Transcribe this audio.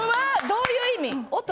どういう意味？